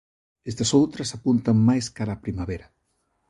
Estas outras apuntan máis cara á primavera.